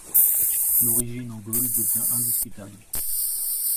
L'origine en Gaule devint indiscutable.